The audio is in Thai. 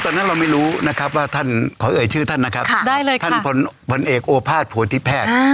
ผลเอกโอภาษย์โพธิแพทย์